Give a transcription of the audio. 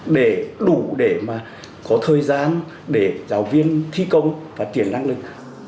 để đủ để mà có thời gian để giáo viên thi công và chuyển năng lực